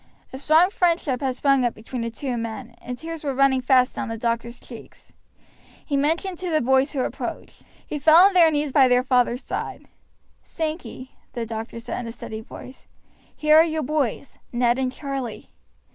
A strong friendship had sprung up between the two men, and tears were running fast down the doctor's cheeks. He motioned to the boys to approach. They fell on their knees by their father's side. "Sankey," the doctor said in a steady voice, "here are your boys, Ned and Charlie."